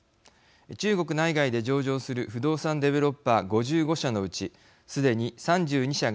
中国内外で上場する不動産デベロッパー５５社のうちすでに３２社がデフォルト＝